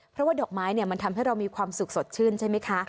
เพราะว่าดอกไม้มันทำให้เรามีความสุขสดชื่นใช่ไหมคะ